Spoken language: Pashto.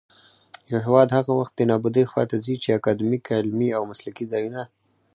يـو هـېواد هغـه وخـت دې نـابـودۍ خـواته ځـي ،چـې اکـادميـک، عـلمـي او مـسلـکي ځـايـونــه